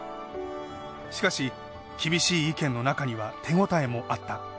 しかし厳しい意見の中には手応えもあった。